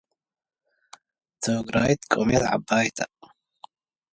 The club plays at Woodside Road.